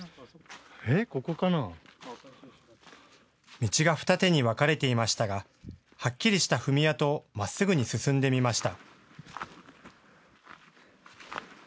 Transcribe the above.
道が二手に分かれていましたが、はっきりした踏み跡をまっすぐに進んでみました。